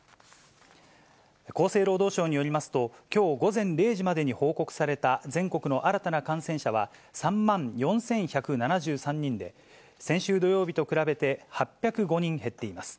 厚生労働省によりますと、きょう午前０時までに報告された、全国の新たな感染者は３万４１７３人で、先週土曜日と比べて８０５人減っています。